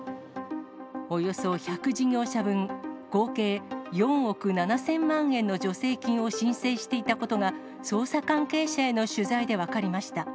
およそ１００事業者分、合計４億７０００万円の助成金を申請していたことが、捜査関係者への取材で分かりました。